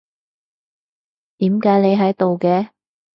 點解你喺度嘅？